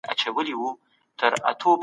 د آزادې سوداګرۍ اصول باید مراعت سي.